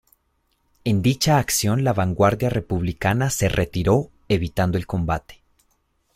En dicha acción la vanguardia republicana se retiró evitando el combate.